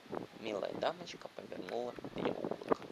Милая дамочка повернула в переулок.